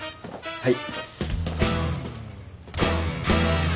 はい。